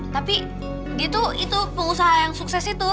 tapi dia tuh itu pengusaha yang sukses itu